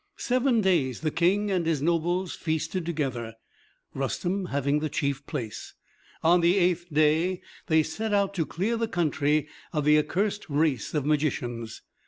Seven days the King and his nobles feasted together, Rustem having the chief place. On the eighth day they set out to clear the country of the accursed race of magicians.